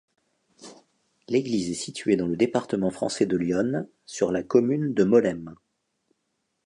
L'église est située dans le département français de l'Yonne, sur la commune de Molesmes.